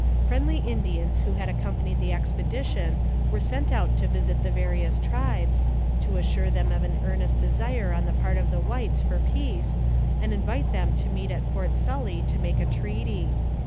Friendly Indians who had accompanied the expedi tion were sent out to visit the various tribes, to assure them of an earnest desire on the part of the whites for peace, and invite them to meet at Fort Sully to make a treaty.